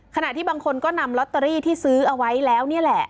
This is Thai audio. ขณะที่บางคนก็นำลอตเตอรี่ที่ซื้อเอาไว้แล้วนี่แหละ